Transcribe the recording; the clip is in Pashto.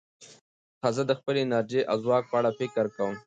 زه د خپلې انرژۍ او ځواک په اړه فکر کوم.